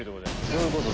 どういうこと？